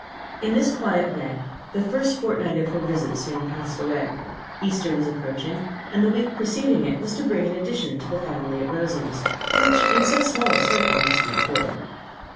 In this quiet way the first fortnight of her visit soon passed away. Easter was approaching, and the week preceding it was to bring an addition to the family at Rosings, which in so small a circle must be important.